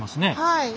はい。